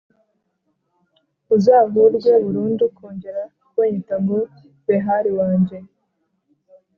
uzahurwe burundu kongera kunyita ngo «Behali wanjye».